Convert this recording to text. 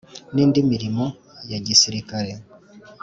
n’indi mirimo ya sirikare